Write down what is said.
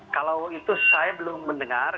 kalau itu saya belum mendengar